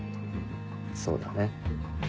そうだね。